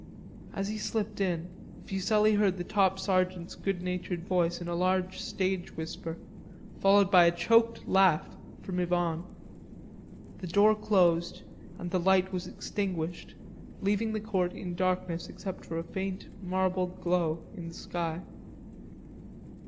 As he slipped in, Fuselli heard the top sergeant's good natured voice in a large stage whisper, followed by a choked laugh from Yvonne. The door closed and the light was extinguished, leaving the court in darkness except for a faint marbled glow in the sky.